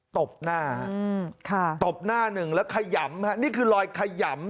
ตบหน้าตบหน้าหนึ่งแล้วขยำฮะนี่คือรอยขยำ